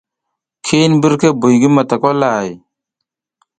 Ki hin mbirke buy ngi matakwalay.